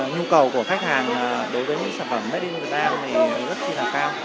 nhu cầu của khách hàng đối với những sản phẩm made in việt nam này rất khi là cao